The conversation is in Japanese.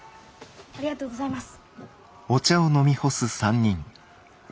ありがとうございます。